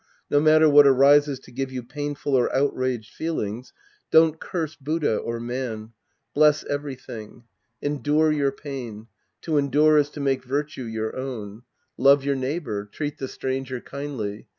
No matter what arises to give you painful or outraged feelings, don't curse Buddha or man. Bless everytliing. Endure your pain. To endure is to make virtue your own. Love your Sc. IV The Priest and His Disciples 243 neighbor. Treat the stranger kindly.